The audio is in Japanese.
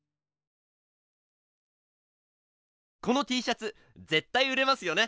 このＴシャツぜったい売れますよね。